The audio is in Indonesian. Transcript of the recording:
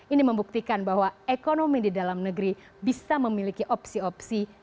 ini membuktikan bahwa ekonomi di dalam negeri bisa memiliki opsi opsi